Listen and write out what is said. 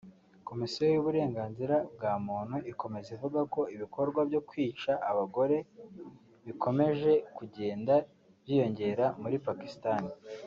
Komisiyo y’uburenganzira bwa muntu ikomeza ivuga ko ibikorwa byo kwica abagore bikomeje kugenda byiyongera muri Pakisitani